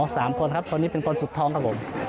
สามคนครับคนนี้เป็นคนสุดท้องครับผม